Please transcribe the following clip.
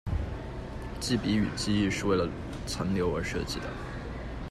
机鼻与机翼是为了层流而设计的。